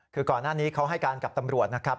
คือก่อนหน้านี้เขาให้การกับตำรวจนะครับ